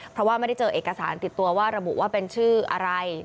เพราะว่าไม่ได้เจอเอกสารติดตัวว่าระบุว่าเป็นชื่ออะไร